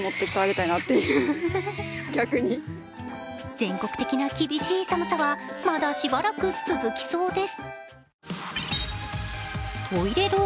全国的な厳しい寒さはまだしばらく続きそうです。